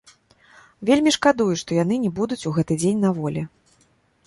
Вельмі шкадую, што яны не будуць у гэты дзень на волі.